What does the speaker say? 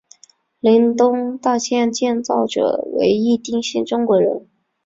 林东大楼建造者为一丁姓中国人。